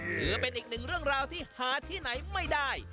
ถือเป็นอีกหนึ่งเรื่องราวที่หาที่ไหนไม่ได้